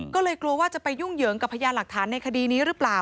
ก็เลยกลัวว่าจะไปยุ่งเหยิงกับพยานหลักฐานในคดีนี้หรือเปล่า